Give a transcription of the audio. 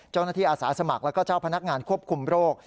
เจ้าหน้าที่อาสาสมัครแล้วก็เจ้าพนักงานควบคุมโรค